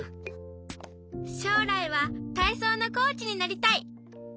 しょうらいはたいそうのコーチになりたい！